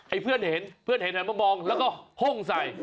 ไอ้เพื่อนเห็นผึ่งมองแล้วก็ห้งใส่